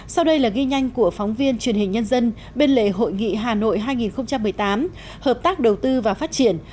sau đây là ghi nhanh của phóng viên truyền hình nhân dân bên lề hội nghị hà nội hai nghìn một mươi tám hợp tác đầu tư và phát triển